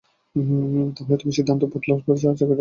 তাহলে তুমি সিদ্ধান্ত বদল করেছো, আর চাকরি টা চাও?